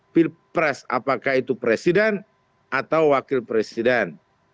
pilpres apakah itu presiden atau wakil presiden